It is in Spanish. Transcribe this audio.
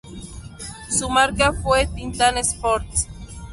Su marca fue Titan Sports.